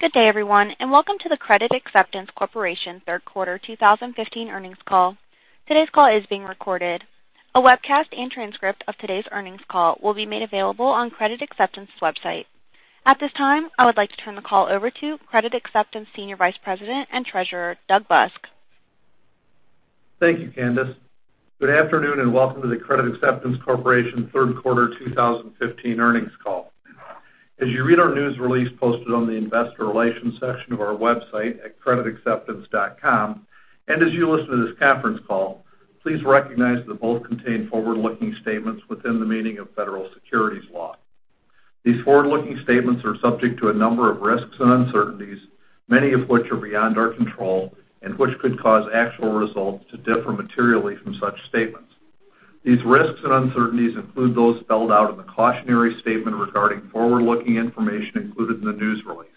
Good day, everyone, and welcome to the Credit Acceptance Corporation third quarter 2015 earnings call. Today's call is being recorded. A webcast and transcript of today's earnings call will be made available on Credit Acceptance's website. At this time, I would like to turn the call over to Credit Acceptance Senior Vice President and Treasurer, Doug Busk. Thank you, Candace. Good afternoon and welcome to the Credit Acceptance Corporation third quarter 2015 earnings call. As you read our news release posted on the investor relations section of our website at creditacceptance.com, and as you listen to this conference call, please recognize that both contain forward-looking statements within the meaning of federal securities law. These forward-looking statements are subject to a number of risks and uncertainties, many of which are beyond our control and which could cause actual results to differ materially from such statements. These risks and uncertainties include those spelled out in the cautionary statement regarding forward-looking information included in the news release.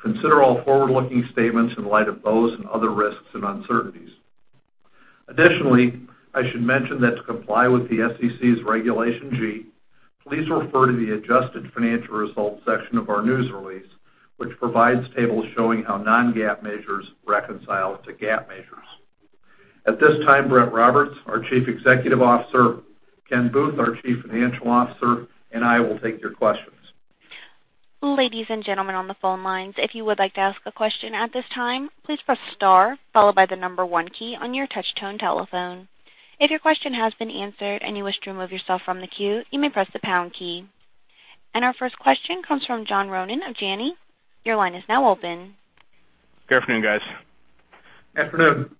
Consider all forward-looking statements in light of those and other risks and uncertainties. I should mention that to comply with the SEC's Regulation G, please refer to the adjusted financial results section of our news release, which provides tables showing how non-GAAP measures reconcile to GAAP measures. At this time, Brett Roberts, our Chief Executive Officer, Kenneth Booth, our Chief Financial Officer, and I will take your questions. Ladies and gentlemen on the phone lines, if you would like to ask a question at this time, please press star followed by the number one key on your touch-tone telephone. If your question has been answered and you wish to remove yourself from the queue, you may press the pound key. Our first question comes from John Rowan of Janney. Your line is now open. Good afternoon, guys. Afternoon.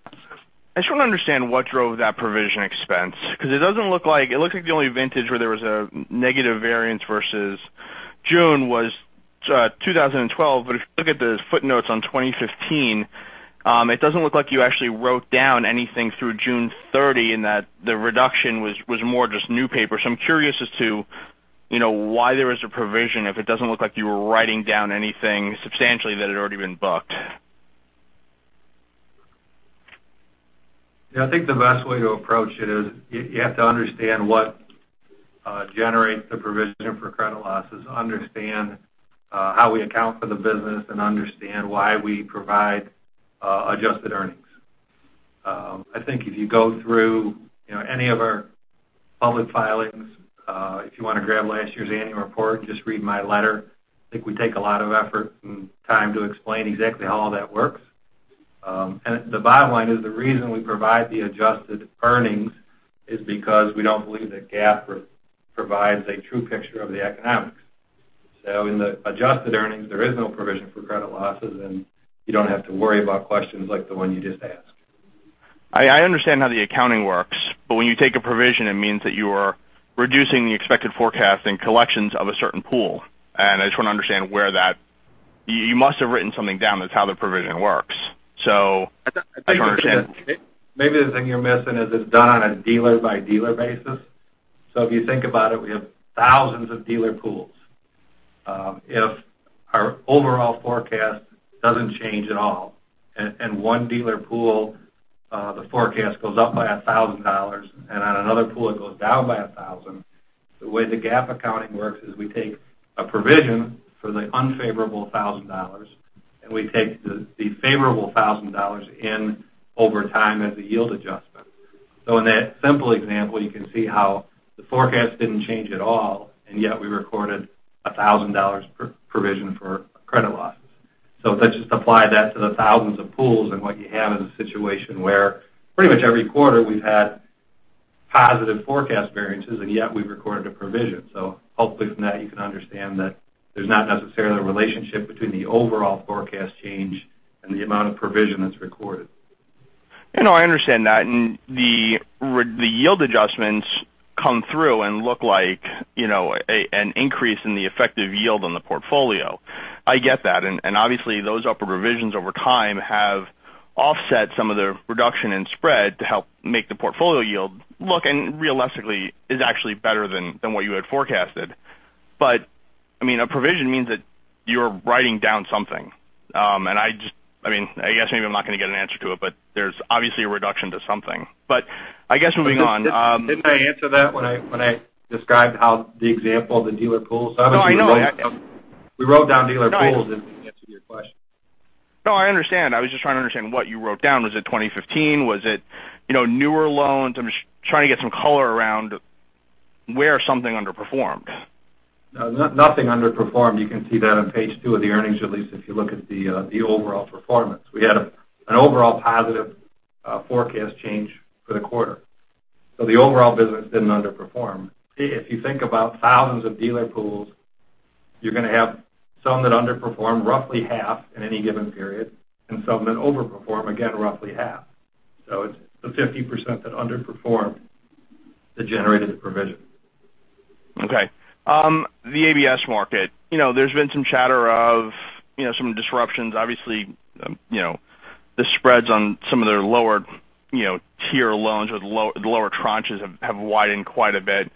I just want to understand what drove that provision expense, because it looks like the only vintage where there was a negative variance versus June was 2012. If you look at the footnotes on 2015, it doesn't look like you actually wrote down anything through June 30 and that the reduction was more just new paper. I'm curious as to why there was a provision if it doesn't look like you were writing down anything substantially that had already been booked. I think the best way to approach it is you have to understand what generates the provision for credit losses, understand how we account for the business, and understand why we provide adjusted earnings. I think if you go through any of our public filings, if you want to grab last year's annual report and just read my letter, I think we take a lot of effort and time to explain exactly how all that works. The bottom line is the reason we provide the adjusted earnings is because we don't believe that GAAP provides a true picture of the economics. In the adjusted earnings, there is no provision for credit losses, and you don't have to worry about questions like the one you just asked. I understand how the accounting works, when you take a provision, it means that you are reducing the expected forecast and collections of a certain pool. I just want to understand, you must have written something down. That's how the provision works. I'm trying to Maybe the thing you're missing is it's done on a dealer-by-dealer basis. If you think about it, we have thousands of dealer pools. If our overall forecast doesn't change at all and one dealer pool, the forecast goes up by $1,000 and on another pool it goes down by $1,000, the way the GAAP accounting works is we take a provision for the unfavorable $1,000 and we take the favorable $1,000 in over time as a yield adjustment. In that simple example, you can see how the forecast didn't change at all, and yet we recorded $1,000 per provision for credit losses. If I just apply that to the thousands of pools, what you have is a situation where pretty much every quarter we've had positive forecast variances, and yet we've recorded a provision. Hopefully from that you can understand that there's not necessarily a relationship between the overall forecast change and the amount of provision that's recorded. No, I understand that. The yield adjustments come through and look like an increase in the effective yield on the portfolio. I get that. Obviously those upward provisions over time have offset some of the reduction in spread to help make the portfolio yield look and realistically, is actually better than what you had forecasted. A provision means that you're writing down something. I guess maybe I'm not going to get an answer to it, but there's obviously a reduction to something. I guess moving on. Didn't I answer that when I described the example of the dealer pools? No, I know. We wrote down dealer pools. Does that answer your question? No, I understand. I was just trying to understand what you wrote down. Was it 2015? Was it newer loans? I'm just trying to get some color around where something underperformed. No, nothing underperformed. You can see that on page two of the earnings release if you look at the overall performance. We had an overall positive forecast change for the quarter. The overall business didn't underperform. If you think about thousands of dealer pools, you're going to have some that underperform, roughly half in any given period, and some that overperform, again, roughly half. It's the 50% that underperformed that generated the provision. Okay. The ABS market. There's been some chatter of some disruptions. Obviously, the spreads on some of their lower tier loans with lower tranches have widened quite a bit.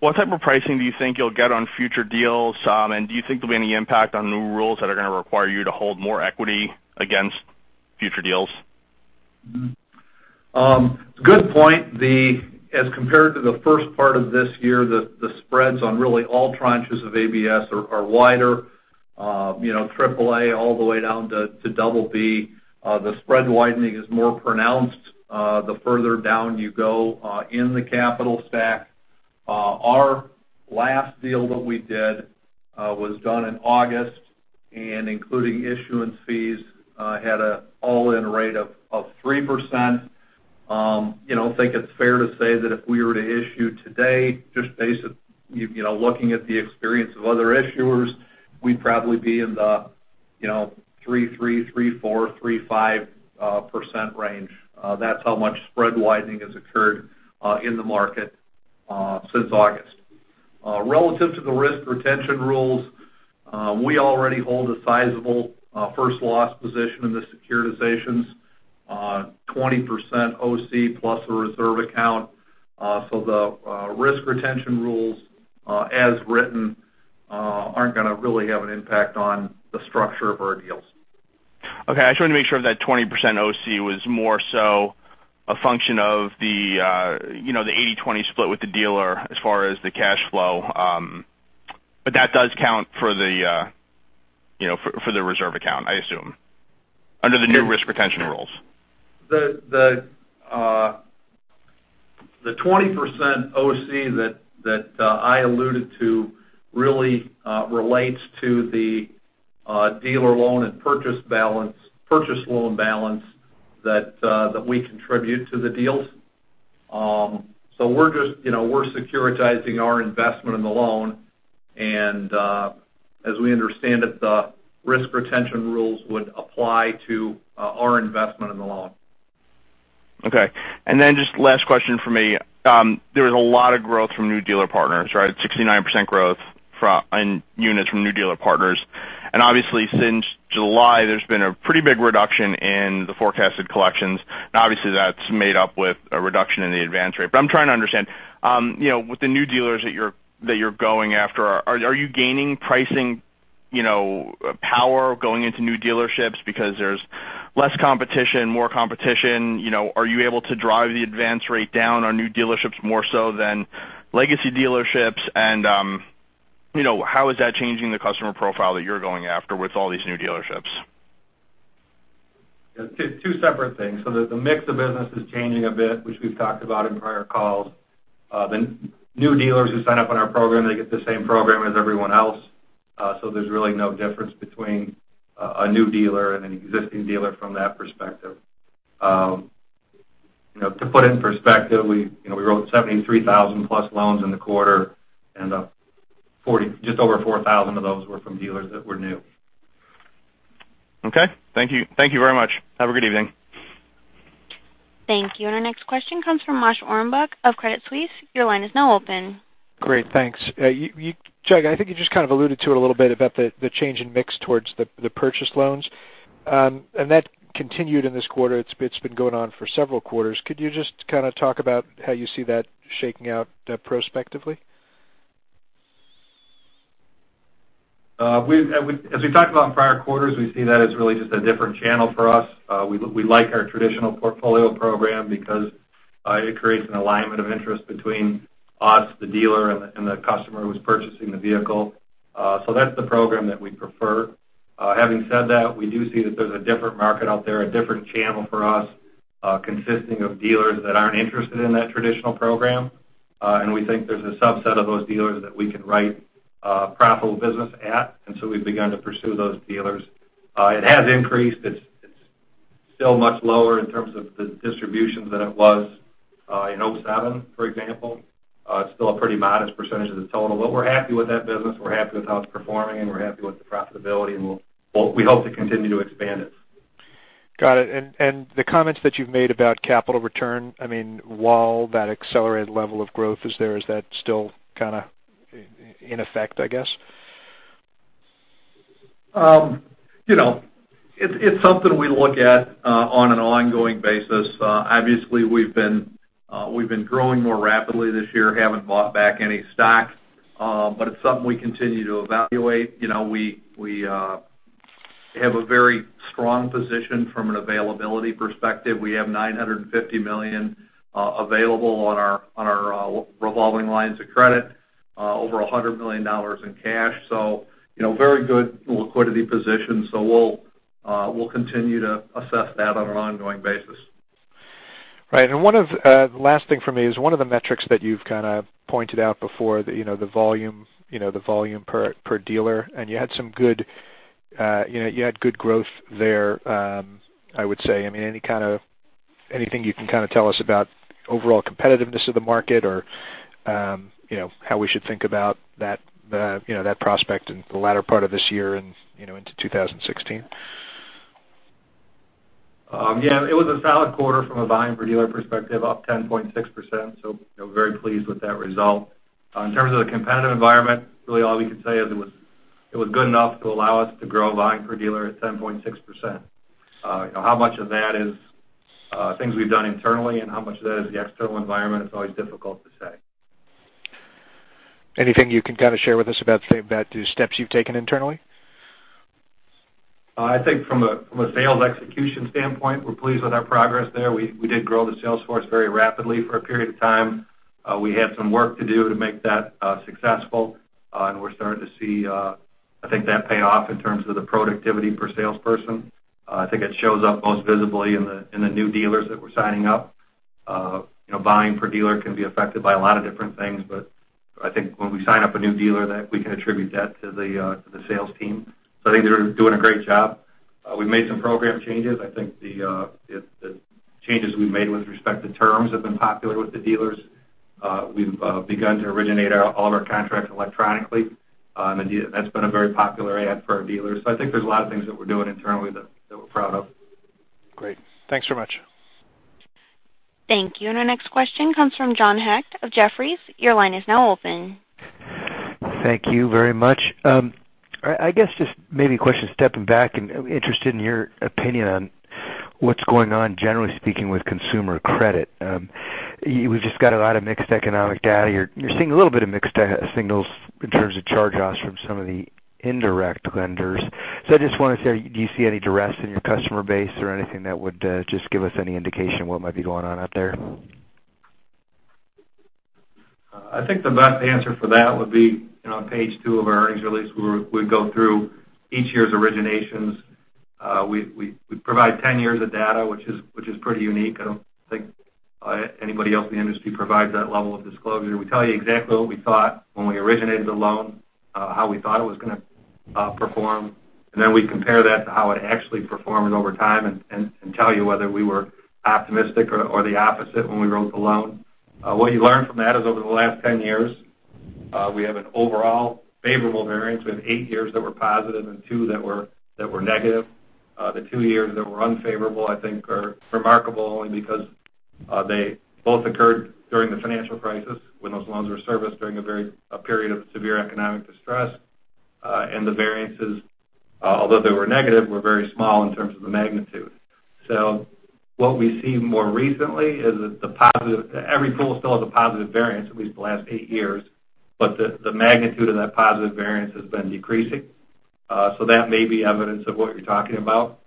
What type of pricing do you think you'll get on future deals, and do you think there'll be any impact on new rules that are going to require you to hold more equity against future deals? Good point. As compared to the first part of this year, the spreads on really all tranches of ABS are wider. AAA, all the way down to BB. The spread widening is more pronounced the further down you go in the capital stack. Our last deal that we did was done in August, and including issuance fees, had an all-in rate of 3%. I think it's fair to say that if we were to issue today, just basic, looking at the experience of other issuers, we'd probably be in the 3.3%, 3.4%, 3.5% range. That's how much spread widening has occurred in the market since August. Relative to the risk retention rules, we already hold a sizable first loss position in the securitizations, 20% OC plus a reserve account. The risk retention rules, as written, aren't going to really have an impact on the structure of our deals. Okay, I just wanted to make sure that 20% OC was more so a function of the 80/20 split with the dealer as far as the cash flow. That does count for the reserve account, I assume, under the new risk retention rules. The 20% OC that I alluded to really relates to the dealer loan and purchase loan balance that we contribute to the deals. We're securitizing our investment in the loan, and as we understand it, the risk retention rules would apply to our investment in the loan. Okay. Just last question from me. There was a lot of growth from new dealer partners, right? 69% growth in units from new dealer partners. Obviously, since July, there's been a pretty big reduction in the forecasted collections. Obviously, that's made up with a reduction in the advance rate. I'm trying to understand, with the new dealers that you're going after, are you gaining pricing power going into new dealerships because there's less competition, more competition? Are you able to drive the advance rate down on new dealerships more so than legacy dealerships? How is that changing the customer profile that you're going after with all these new dealerships? Two separate things. The mix of business is changing a bit, which we've talked about in prior calls. The new dealers who sign up on our program, they get the same program as everyone else. There's really no difference between a new dealer and an existing dealer from that perspective. To put it in perspective, we wrote 73,000 plus loans in the quarter, and just over 4,000 of those were from dealers that were new. Okay. Thank you very much. Have a good evening. Thank you. Our next question comes from Moshe Orenbuch of Credit Suisse. Your line is now open. Great. Thanks. Doug, I think you just kind of alluded to it a little bit about the change in mix towards the purchase loans. That continued in this quarter. It's been going on for several quarters. Could you just kind of talk about how you see that shaking out prospectively? As we talked about in prior quarters, we see that as really just a different channel for us. We like our traditional portfolio program because it creates an alignment of interest between us, the dealer, and the customer who's purchasing the vehicle. That's the program that we prefer. Having said that, we do see that there's a different market out there, a different channel for us, consisting of dealers that aren't interested in that traditional program. We think there's a subset of those dealers that we can write profitable business at. We've begun to pursue those dealers. It has increased. It's still much lower in terms of the distributions than it was in 2007, for example. It's still a pretty modest percentage of the total. We're happy with that business. We're happy with how it's performing, we're happy with the profitability, we hope to continue to expand it. Got it. The comments that you've made about capital return, while that accelerated level of growth is there, is that still kind of in effect, I guess? It's something we look at on an ongoing basis. Obviously, we've been growing more rapidly this year, haven't bought back any stock. It's something we continue to evaluate. We have a very strong position from an availability perspective. We have $950 million available on our revolving lines of credit, over $100 million in cash. Very good liquidity position. We'll continue to assess that on an ongoing basis. Right. The last thing from me is, one of the metrics that you've kind of pointed out before, the volume per dealer. You had good growth there, I would say. Anything you can kind of tell us about overall competitiveness of the market or how we should think about that prospect in the latter part of this year and into 2016? Yeah, it was a solid quarter from a volume per dealer perspective, up 10.6%. Very pleased with that result. In terms of the competitive environment, really all we can say is it was good enough to allow us to grow volume per dealer at 10.6%. How much of that is things we've done internally and how much of that is the external environment is always difficult to say. Anything you can kind of share with us about the steps you've taken internally? I think from a sales execution standpoint, we're pleased with our progress there. We did grow the sales force very rapidly for a period of time. We had some work to do to make that successful, and we're starting to see, I think, that pay off in terms of the productivity per salesperson. I think it shows up most visibly in the new dealers that we're signing up. Buying per dealer can be affected by a lot of different things, but I think when we sign up a new dealer, we can attribute that to the sales team. I think they're doing a great job. We've made some program changes. I think the changes we've made with respect to terms have been popular with the dealers. We've begun to originate all of our contracts electronically, and that's been a very popular add for our dealers. I think there's a lot of things that we're doing internally that we're proud of. Great. Thanks very much. Thank you. Our next question comes from John Hecht of Jefferies. Your line is now open. Thank you very much. I guess just maybe a question, stepping back, I'm interested in your opinion on what's going on, generally speaking, with consumer credit. We've just got a lot of mixed economic data. You're seeing a little bit of mixed signals in terms of charge-offs from some of the indirect lenders. I just want to say, do you see any duress in your customer base or anything that would just give us any indication what might be going on out there? I think the best answer for that would be on page two of our earnings release, we go through each year's originations. We provide 10 years of data, which is pretty unique. I don't think anybody else in the industry provides that level of disclosure. We tell you exactly what we thought when we originated the loan, how we thought it was going to perform, and then we compare that to how it actually performed over time and tell you whether we were optimistic or the opposite when we wrote the loan. What you learn from that is over the last 10 years, we have an overall favorable variance. We have eight years that were positive and two that were negative. The two years that were unfavorable, I think, are remarkable only because they both occurred during the financial crisis, when those loans were serviced during a period of severe economic distress. The variances, although they were negative, were very small in terms of the magnitude. What we see more recently is every pool still has a positive variance, at least the last eight years, but the magnitude of that positive variance has been decreasing. That may be evidence of what you're talking about.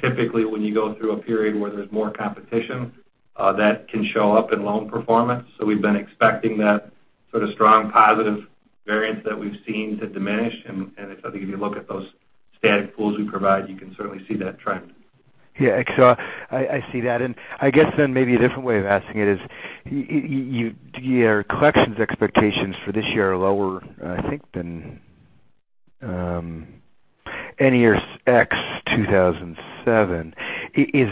Typically, when you go through a period where there's more competition, that can show up in loan performance. We've been expecting that sort of strong positive variance that we've seen to diminish, and I think if you look at those static pools we provide, you can certainly see that trend. Yeah. Excellent. I see that. I guess then maybe a different way of asking it is, your collections expectations for this year are lower, I think, than any year ex-2007.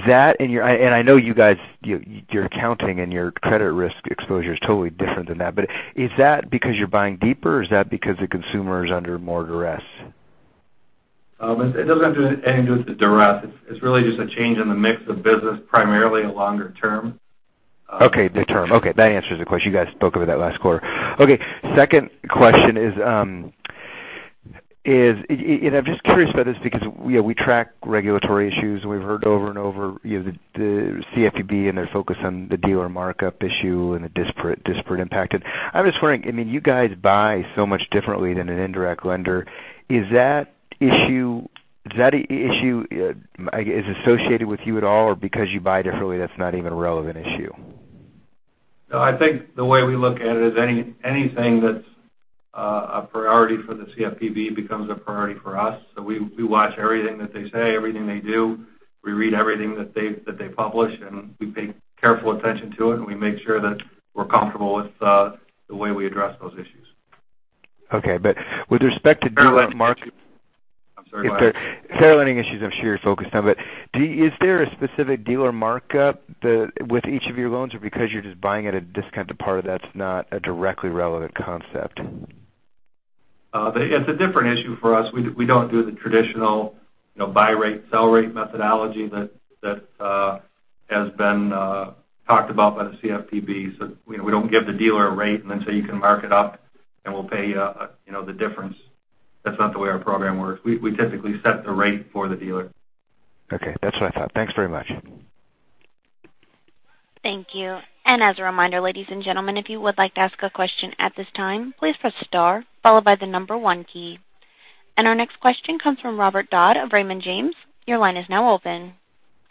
I know you guys, your accounting and your credit risk exposure is totally different than that. Is that because you're buying deeper, or is that because the consumer is under more duress? It doesn't have anything to do with the duress. It's really just a change in the mix of business, primarily longer term. Okay. The term. Okay. That answers the question. You guys spoke about that last quarter. Okay. Second question is. I'm just curious about this because we track regulatory issues, and we've heard over and over the CFPB and their focus on the dealer markup issue and the disparate impact. I'm just wondering, you guys buy so much differently than an indirect lender. Is that issue associated with you at all, or because you buy differently, that's not even a relevant issue? No, I think the way we look at it is anything that's a priority for the CFPB becomes a priority for us. We watch everything that they say, everything they do. We read everything that they publish, and we pay careful attention to it, and we make sure that we're comfortable with the way we address those issues. Okay. With respect to dealer mark- I'm sorry, go ahead. Fair lending issues I'm sure you're focused on, but is there a specific dealer markup with each of your loans, or because you're just buying at a discounted part, that's not a directly relevant concept? It's a different issue for us. We don't do the traditional buy rate, sell rate methodology that has been talked about by the CFPB. We don't give the dealer a rate and then say you can mark it up and we'll pay the difference. That's not the way our program works. We typically set the rate for the dealer. Okay. That's what I thought. Thanks very much. Thank you. As a reminder, ladies and gentlemen, if you would like to ask a question at this time, please press star followed by the number 1 key. Our next question comes from Robert Dodd of Raymond James. Your line is now open.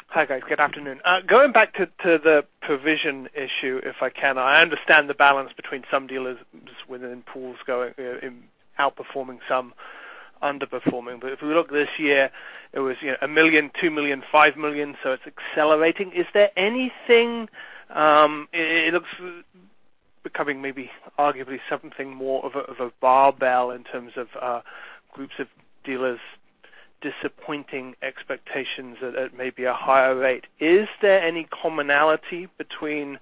Hi, guys. Good afternoon. Going back to the provision issue, if I can. I understand the balance between some dealers within pools outperforming, some underperforming. If we look this year, it was $1 million, $2 million, $5 million, so it's accelerating. It looks becoming maybe arguably something more of a barbell in terms of groups of dealers disappointing expectations at maybe a higher rate. Is there any commonality between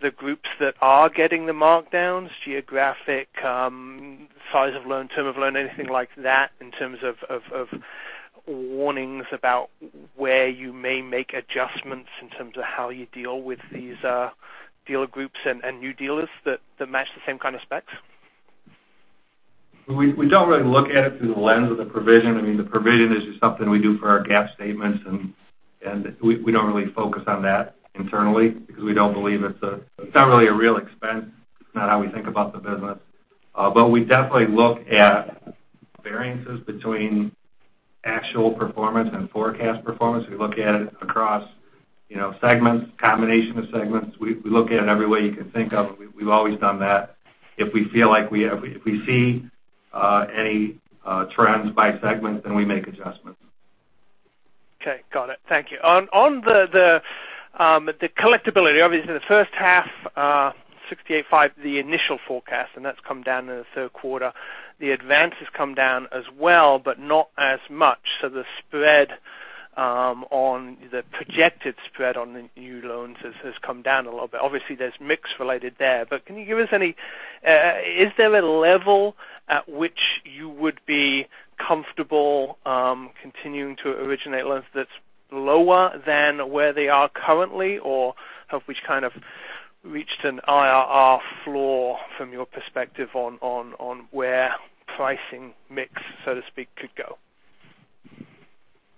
the groups that are getting the markdowns, geographic, size of loan, term of loan, anything like that in terms of warnings about where you may make adjustments in terms of how you deal with these dealer groups and new dealers that match the same kind of specs? We don't really look at it through the lens of the provision. I mean, the provision is just something we do for our GAAP statements, and we don't really focus on that internally because it's not really a real expense. It's not how we think about the business. We definitely look at variances between actual performance and forecast performance. We look at it across segments, combination of segments. We look at it every way you can think of. We've always done that. If we feel like if we see any trends by segment, then we make adjustments. Okay, got it. Thank you. On the collectibility, obviously the first half, 68.5%, the initial forecast, and that's come down in the third quarter. The advance has come down as well, but not as much. The projected spread on the new loans has come down a little bit. Obviously, there's mix related there. Is there a level at which you would be comfortable continuing to originate loans that's lower than where they are currently? Or have we kind of reached an IRR floor from your perspective on where pricing mix, so to speak, could go?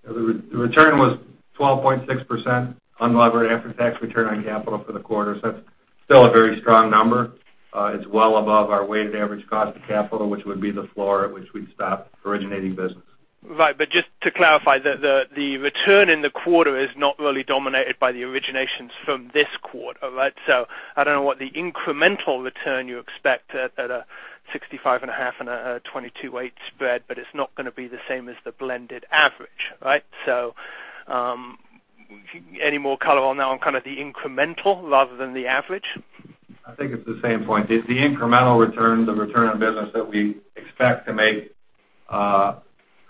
The return was 12.6% unlevered after-tax return on capital for the quarter. That's still a very strong number. It's well above our weighted average cost of capital, which would be the floor at which we'd stop originating business. Right. Just to clarify, the return in the quarter is not really dominated by the originations from this quarter, right? I don't know what the incremental return you expect at a 65.5 and a 22.8 spread, but it's not going to be the same as the blended average, right? Any more color on kind of the incremental rather than the average? I think it's the same point. The incremental return, the return on business that we expect to make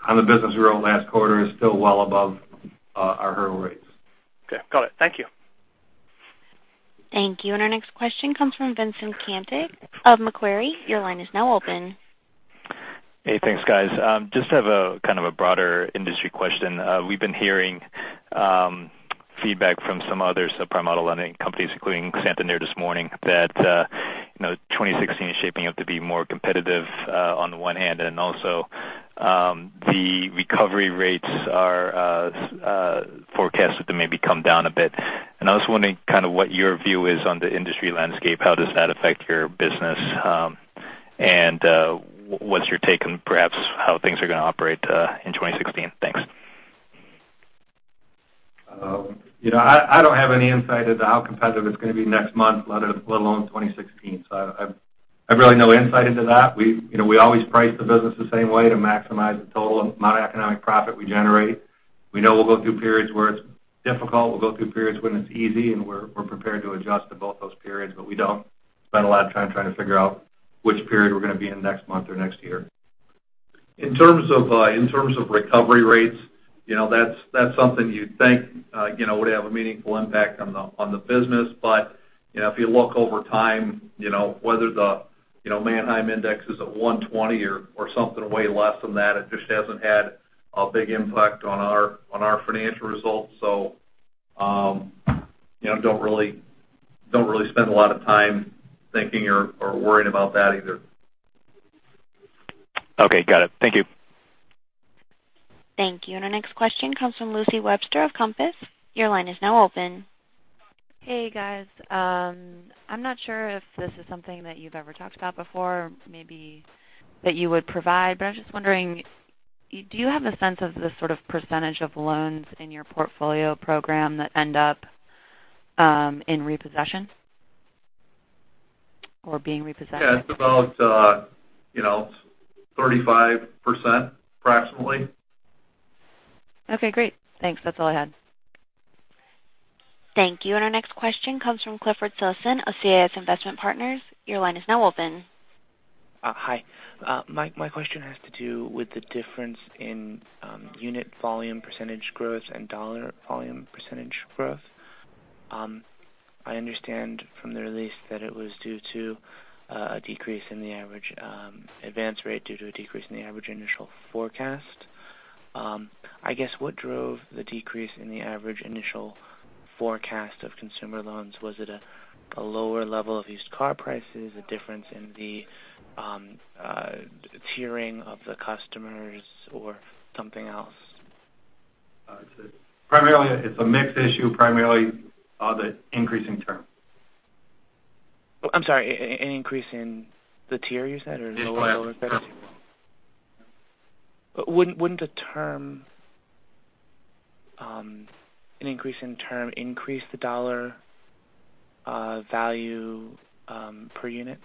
on the business we wrote last quarter is still well above our hurdle rates. Okay, got it. Thank you. Thank you. Our next question comes from Vincent Caintic of Macquarie. Your line is now open. Hey, thanks, guys. Just have a kind of a broader industry question. We've been hearing feedback from some other subprime auto lending companies, including Santander this morning, that 2016 is shaping up to be more competitive on the one hand, also, the recovery rates are forecasted to maybe come down a bit. I was wondering kind of what your view is on the industry landscape. How does that affect your business? What's your take on perhaps how things are going to operate in 2016? Thanks. I don't have any insight into how competitive it's going to be next month, let alone 2016. I have really no insight into that. We always price the business the same way to maximize the total amount of economic profit we generate. We know we'll go through periods where it's difficult. We'll go through periods when it's easy, and we're prepared to adjust to both those periods. We don't spend a lot of time trying to figure out which period we're going to be in next month or next year. In terms of recovery rates, that's something you'd think would have a meaningful impact on the business. If you look over time, whether the Manheim index is at 120 or something way less than that, it just hasn't had a big impact on our financial results. Don't really spend a lot of time thinking or worrying about that either. Okay. Got it. Thank you. Thank you. Our next question comes from Lucy Webster of Compass. Your line is now open. Hey, guys. I'm not sure if this is something that you've ever talked about before, maybe that you would provide, but I was just wondering, do you have a sense of the sort of percentage of loans in your portfolio program that end up in repossession or being repossessed? Yeah, it's about 35% approximately. Okay, great. Thanks. That's all I had. Thank you. Our next question comes from Clifford Sisson of SCS Investment Partners. Your line is now open. Hi. My question has to do with the difference in unit volume % growth and dollar volume % growth. I understand from the release that it was due to a decrease in the average advance rate due to a decrease in the average initial forecast. I guess what drove the decrease in the average initial forecast of consumer loans? Was it a lower level of used car prices, a difference in the tiering of the customers, or something else? It's a mix issue, primarily the increase in term. I'm sorry, an increase in the tier, you said? Wouldn't an increase in term increase the dollar value per unit?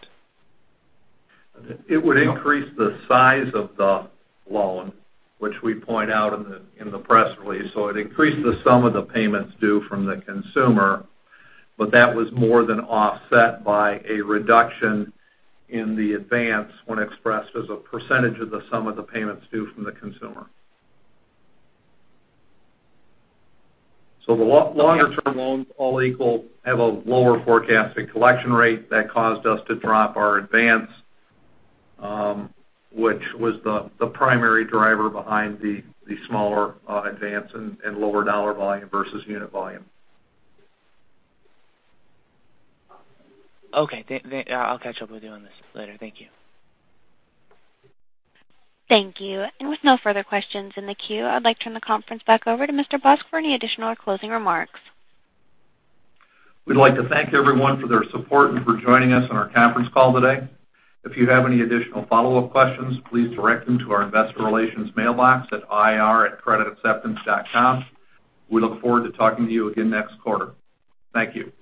It would increase the size of the loan, which we point out in the press release. It increased the sum of the payments due from the consumer, that was more than offset by a reduction in the advance when expressed as a percentage of the sum of the payments due from the consumer. The longer-term loans, all equal, have a lower forecasted collection rate that caused us to drop our advance, which was the primary driver behind the smaller advance and lower dollar volume versus unit volume. Okay. I'll catch up with you on this later. Thank you. Thank you. With no further questions in the queue, I'd like to turn the conference back over to Mr. Busk for any additional or closing remarks. We'd like to thank everyone for their support and for joining us on our conference call today. If you have any additional follow-up questions, please direct them to our investor relations mailbox at ir@creditacceptance.com. We look forward to talking to you again next quarter. Thank you.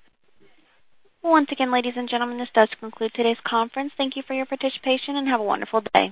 Once again, ladies and gentlemen, this does conclude today's conference. Thank you for your participation, and have a wonderful day.